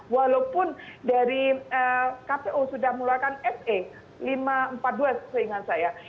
walaupun dari kpu sudah mengeluarkan se lima ratus empat puluh dua seingat saya